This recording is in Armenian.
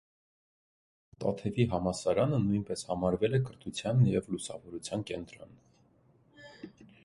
Տաթևի համալսարանը նույնպես համարվել է կրթության և լուսավորության կենտրոն։